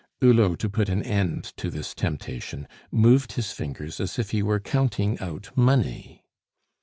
Hulot, to put an end to this temptation, moved his fingers as if he were counting out money.